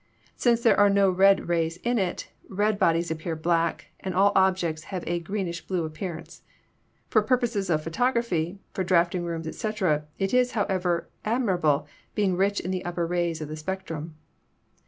Since there are no red rays in it, red bodies appear black, and all objects have a greenish blue appearance. For purposes of photography, for draft ing rooms, etc., it is, however, admirable, being rich in the upper rays of the spectrum.